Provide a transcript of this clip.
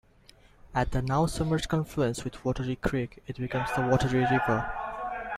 At the now-submerged confluence with Wateree Creek, it becomes the Wateree River.